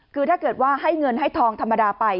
คือถ้าเกิดว่าให้เงินให้ทองธรรมดาไป